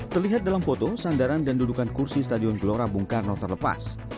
terlihat dalam foto sandaran dan dudukan kursi stadion gelora bung karno terlepas